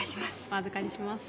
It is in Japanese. お預かりします。